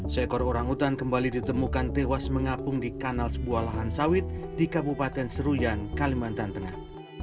seekor orang utan kembali ditemukan tewas mengapung di kanal sebuah lahan sawit di kabupaten seruyan kalimantan tengah